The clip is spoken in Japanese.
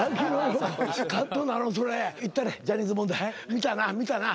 見たな見たな。